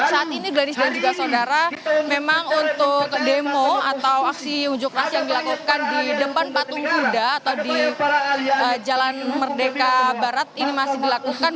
saat ini gladis dan juga saudara memang untuk demo atau aksi unjuk rasa yang dilakukan di depan patung kuda atau di jalan merdeka barat ini masih dilakukan